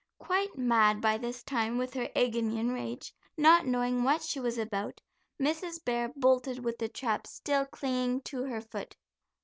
Quite mad by this time with her agony and rage, not knowing what she was about, Mrs. Bear bolted, with the trap still clinging to her foot.